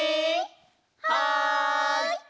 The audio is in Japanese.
はい。